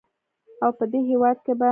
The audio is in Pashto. او په دې هېواد کې به